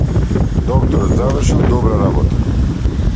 Докторот завршил добра работа.